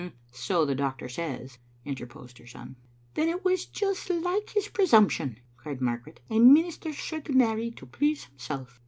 " So the doctor says," interposed her son. " Then it was just like his presumption !" cried Mar garet. "A minister should marry to please himself."